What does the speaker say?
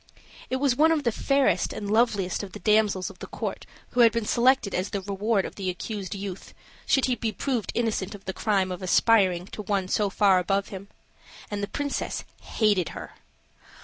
It was one of the fairest and loveliest of the damsels of the court who had been selected as the reward of the accused youth, should he be proved innocent of the crime of aspiring to one so far above him; and the princess hated her.